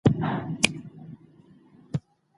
د خیر په کارونو کې وړاندې اوسئ.